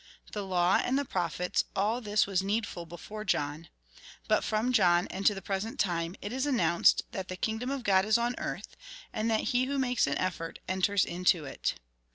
The law and the prophets, — all this was needful before John. But, from John and to the present time, it is announced that the kingdom of God is on earth, and that he who makes an effort enters into it.''